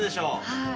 はい。